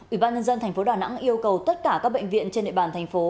ủy ban nhân dân tp đà nẵng yêu cầu tất cả các bệnh viện trên địa bàn thành phố